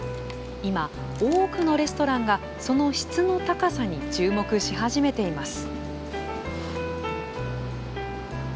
今、多くのレストランがその質の高さに注目し始めています。